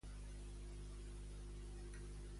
Només per als que no volen la independència?